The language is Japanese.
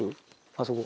あそこ。